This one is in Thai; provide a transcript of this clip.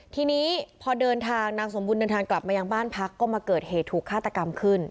ทีนี้พอเดินทางนางสมบุญเดินทางกลับมายังบ้านพักก็มาเกิดเหตุถูกฆาตกรรมขึ้น